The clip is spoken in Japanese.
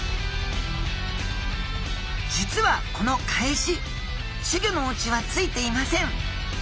実はこの返し稚魚のうちはついていません。